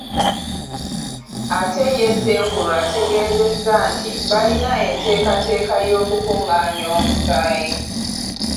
Ate ye Ssenkulu ategeezezza nti balina enteekateeka y’okukungaanya omusaayi.